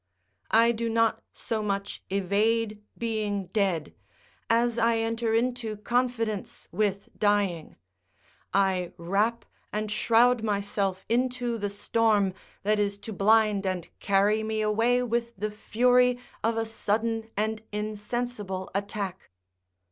I do not so much evade being dead, as I enter into confidence with dying. I wrap and shroud myself into the storm that is to blind and carry me away with the fury of a sudden and insensible attack.